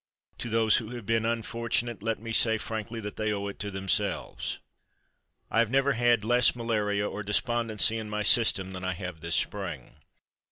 To those who have been unfortunate let me say frankly that they owe it to themselves. I have never had less malaria or despondency in my system that I have this spring.